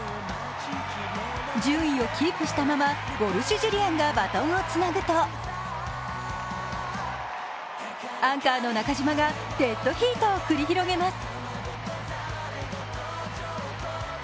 順位をキープしたままウォルシュ・ジュリアンがバトンをつなぐとアンカーの中島がデッドヒートを繰り広げます。